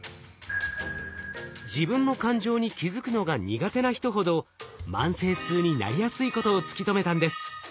自分の感情に気づくのが苦手な人ほど慢性痛になりやすいことを突き止めたんです。